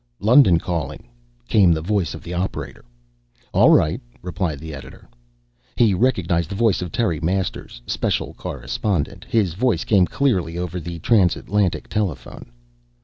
"London calling," came the voice of the operator. "All right," replied the editor. He recognized the voice of Terry Masters, special correspondent. His voice came clearly over the transatlantic telephone.